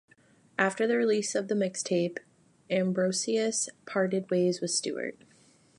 After the release of the mixtape, Ambrosius parted ways with Stewart.